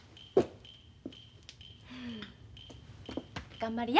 頑張りや。